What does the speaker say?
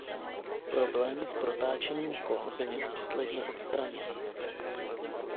Problémy s protáčením kol byly následně odstraněny.